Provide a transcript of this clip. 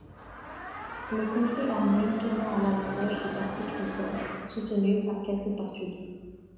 Le conflit armé tourna à l’avantage du parti chrétien, soutenu par quelques portugais.